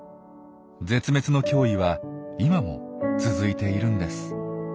絶滅の脅威は今も続いているんです。